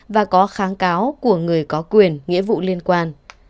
và có kháng cáo của người có quyền nghĩa vụ liên quan